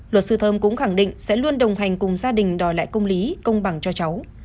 luật sư thơm cũng khẳng định sẽ luôn đồng hành cùng gia đình đòi lại công lý công bằng cho cháu